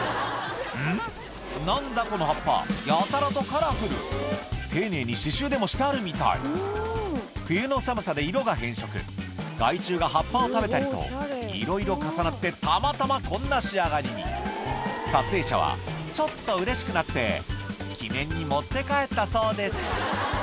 この葉っぱやたらとカラフル丁寧に刺しゅうでもしてあるみたい冬の寒さで色が変色害虫が葉っぱを食べたりといろいろ重なってたまたまこんな仕上がりに撮影者はちょっとうれしくなって記念に持って帰ったそうです